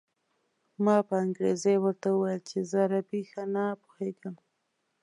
ما په انګرېزۍ ورته وویل چې زه عربي ښه نه پوهېږم.